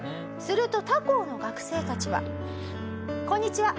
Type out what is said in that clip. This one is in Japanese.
すると他校の学生たちは「こんにちは」